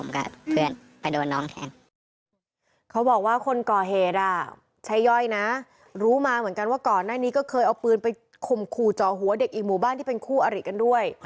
เขาบอกว่าคนก่อเหตุใช้ย่อยนะรู้มาเหมือนกันว่าก่อนหน้านี้ก็เคยเอาปืนไปข่มขู่จ่อหัวเด็กอีกหมู่บ้านที่เป็นคู่อริกันด้วย